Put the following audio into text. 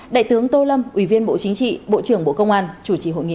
đại tướng tô lâm ủy viên bộ chính trị bộ trưởng bộ công an chủ trì hội nghị